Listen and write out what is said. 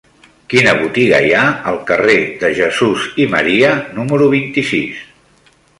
Quina botiga hi ha al carrer de Jesús i Maria número vint-i-sis?